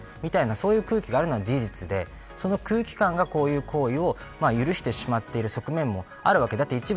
そういう空気があるのは事実でその空気感がこういう行為を許してしまっている側面もあると思います。